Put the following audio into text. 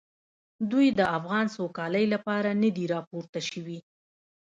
دوی د افغان سوکالۍ لپاره نه دي راپورته شوي.